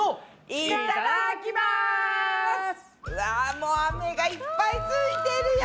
もうアメがいっぱいついてるよ！